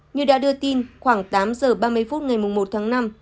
như đã đưa tin khoảng tám giờ ba mươi phút ngày một tháng năm